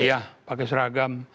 iya pakai berseragam